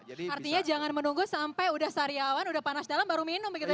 artinya jangan menunggu sampai udah sariawan udah panas dalam baru minum begitu ya